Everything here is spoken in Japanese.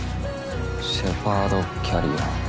シェパードキャリア。